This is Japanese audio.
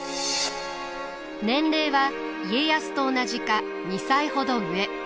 年齢は家康と同じか２歳ほど上。